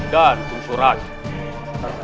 dan unsur raja